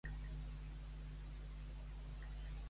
Què li inculcà Déu per evitar-li el sofriment?